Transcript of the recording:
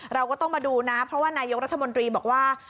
เราก็ต้องมาดูนะเพราะว่านายกรัฐมนตรีบอกว่า